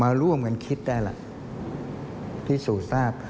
มาร่วมกันคิดได้ล่ะที่สูตรทราบ